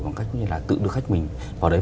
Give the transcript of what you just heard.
bằng cách tự đưa khách mình vào đấy